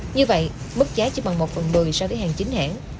như vậy mức giá chỉ bằng một phần mười so với hàng chính hãng